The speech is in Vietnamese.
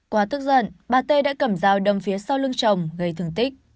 quá tức giận bà t đã cầm dao đâm phía sau lưng chồng gây thương tích